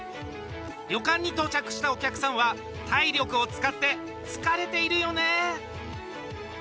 旅館に到着したお客さんは体力を使って疲れているよね。